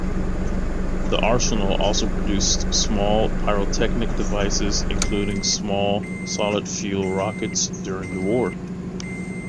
The arsenal also produced small pyrotechnic devices including small solid-fuel rockets during the war.